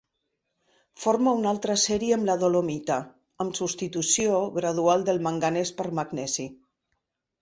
Forma una altra sèrie amb la dolomita, amb substitució gradual del manganès per magnesi.